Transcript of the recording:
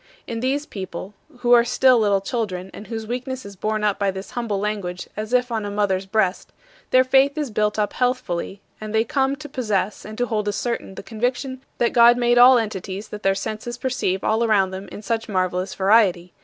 In these people, who are still little children and whose weakness is borne up by this humble language as if on a mother's breast, their faith is built up healthfully and they come to possess and to hold as certain the conviction that God made all entities that their senses perceive all around them in such marvelous variety.